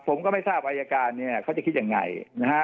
ผมก็ไม่ทราบอายการเนี่ยเขาจะคิดยังไงนะฮะ